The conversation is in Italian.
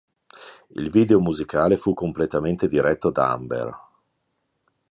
Il video musicale fu completamente diretto da Amber.